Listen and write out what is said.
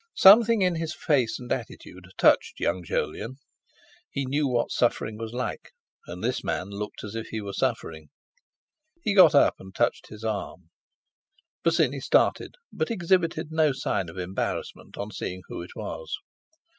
Something in his face and attitude touched young Jolyon. He knew what suffering was like, and this man looked as if he were suffering. He got up and touched his arm. Bosinney started, but exhibited no sign of embarrassment on seeing who it was.